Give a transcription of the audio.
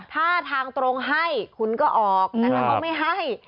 ถ้าทางตรงให้คุณก็ออกแต่ถ้าเขาไม่ให้